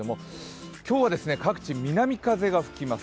今日は各地南風が吹きます。